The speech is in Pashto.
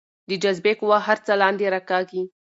د جاذبې قوه هر څه لاندې راکاږي.